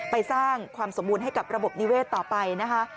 สร้างความสมบูรณ์ให้กับระบบนิเวศต่อไปนะคะ